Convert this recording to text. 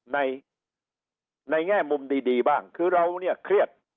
ในในแง่มุมดีบ้างคือเราเนี่ยเครียด